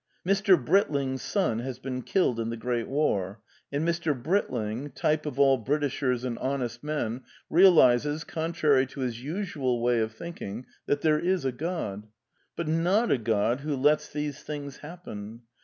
*^ JMr. ±5ritlmg^s " son has been killed in the Great War, and "Mr. Britling" — type of all Britishers and honest men — realizes, contrary to his usual way of thinking, that there is a God. But not a God who " lets these things happen."